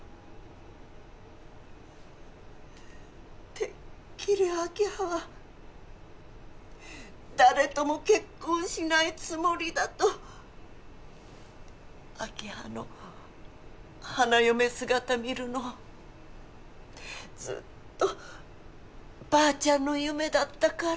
てっきり明葉は誰とも結婚しないつもりだと明葉の花嫁姿見るのずっとばあちゃんの夢だったから